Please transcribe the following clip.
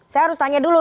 saya harus tanya dulu